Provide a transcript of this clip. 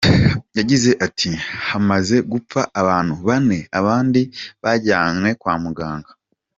Yagize ati “Hamaze gupfa abantu bane abandi bajyanywe kwa muganga.